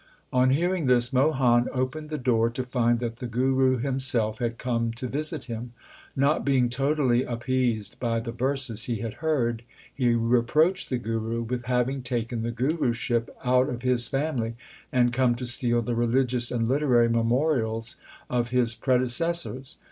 On hearing this, Mohan opened the door, to find that the Guru himself had come to visit him. Not being totally appeased by the verses he had heard, he reproached the Guru with having taken the Guruship out of his family, and come to steal the religious and literary memorials of his predecessors.